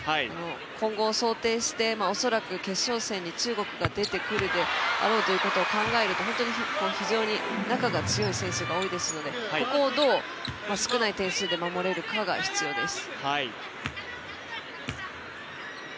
今後、想定して恐らく決勝戦に中国が出てくるであろうということを考えると非常に中が強い選手が多いですので、ここをどう、少ない点数で守れるかが必要です。